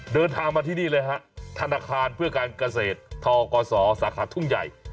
เดินทางมาที่นี่เลยฮะ